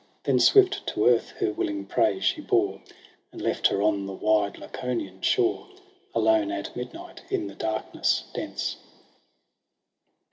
Then swift to earth her willing prey she bore. And left her on the wide Laconian shore. Alone, at midnight, in the darkness dense.